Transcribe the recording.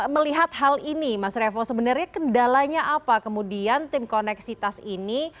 melihat hal ini mas revo sebenarnya kendalanya apa kemudian tim koneksitas ini